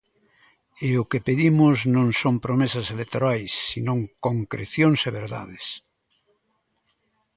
E o que pedimos non son promesas electorais senón concrecións e verdades.